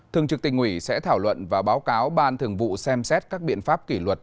thường trực tỉnh ủy sẽ thảo luận và báo cáo ban thường vụ xem xét các biện pháp kỷ luật